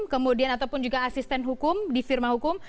kemudian ataupun juga asisten hukum di firma hukum